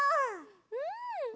うん！